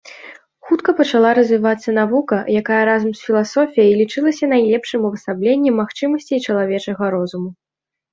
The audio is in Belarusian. Хутка пачала развівацца навука, якая разам з філасофіяй лічылася найлепшым увасабленнем магчымасцей чалавечага розуму.